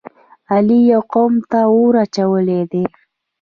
علی یوه قوم ته اور اچولی دی.